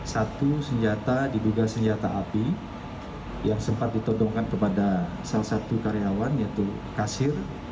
satu senjata diduga senjata api yang sempat ditodongkan kepada salah satu karyawan yaitu kasir